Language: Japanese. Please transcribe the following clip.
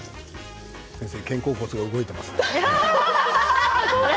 先生、肩甲骨が動いていますね。